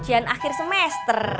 ujian akhir semester